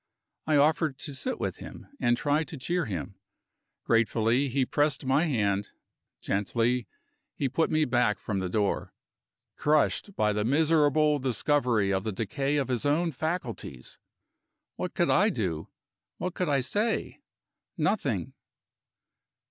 I offered to sit with him, and try to cheer him. Gratefully, he pressed my hand: gently, he put me back from the door. Crushed by the miserable discovery of the decay of his own faculties! What could I do? what could I say? Nothing!